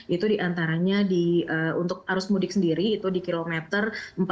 itu diantaranya untuk arus mudik sendiri itu di kilometer empat puluh